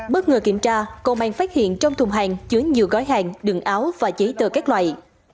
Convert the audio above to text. bất ngờ kiểm tra công an phát hiện trong thùng hàng chứa nhiều gói hàng đường áo và giấy tờ các loại